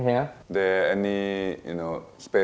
ก็เรียบร้อยกรด้านโวนิเตอร์